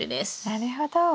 なるほど。